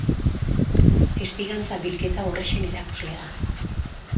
Testigantza bilketa hau horrexen erakusle da.